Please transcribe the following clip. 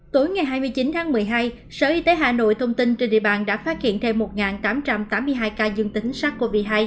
tối ngày hai mươi chín tháng một mươi hai sở y tế hà nội thông tin trên địa bàn đã phát hiện thêm một tám trăm tám mươi hai ca dương tính sars cov hai